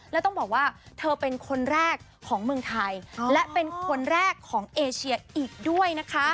แล้วต้องบอกว่าเธอเป็นคนแรกของเมืองไทยและเป็นคนแรกของเอเชียอีกด้วยนะคะ